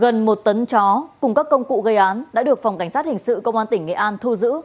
gần một tấn chó cùng các công cụ gây án đã được phòng cảnh sát hình sự công an tỉnh nghệ an thu giữ